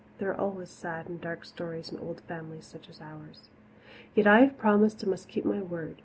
There are always sad and dark stories in old families such as ours. Yet I have promised and must keep my word.